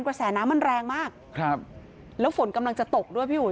กระแสน้ำมันแรงมากครับแล้วฝนกำลังจะตกด้วยพี่อุ๋